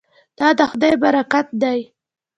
دا د خدای برکت دی.